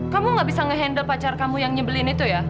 kamu gak bisa nge handle pacar kamu yang nyebelin itu ya